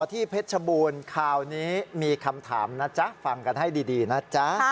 ที่เพชรชบูรณ์คราวนี้มีคำถามนะจ๊ะฟังกันให้ดีนะจ๊ะ